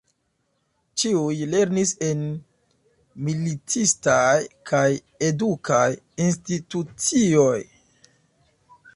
Ĉiuj lernis en militistaj kaj edukaj institucioj.